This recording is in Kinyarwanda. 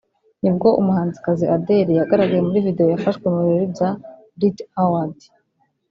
nibwo umuhanzikazi Adele yagaragaye muri video yafashwe mu birori bya Brit Award